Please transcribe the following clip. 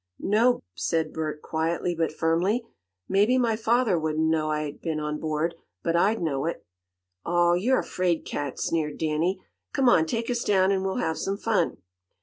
"No," said Bert, quietly but firmly. "Maybe my father wouldn't know I had been on board, but I'd know it." "Aw, you're a fraid cat!" sneered Danny. "Come on, take us down, and we'll have some fun."